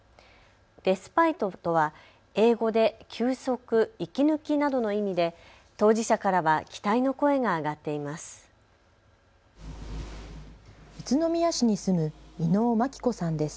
レスパイトとは英語で休息、息抜きなどの意味で当事者からは期待の声が上がっています。